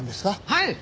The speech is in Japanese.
はい。